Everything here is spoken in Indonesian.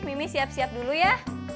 mimi siap siap dulu ya